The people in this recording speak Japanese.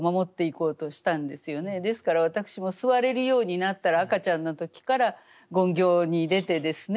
ですから私も座れるようになったら赤ちゃんの時から勤行に出てですね